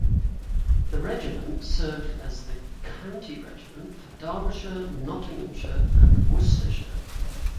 The regiment served as the county regiment for Derbyshire, Nottinghamshire and Worcestershire.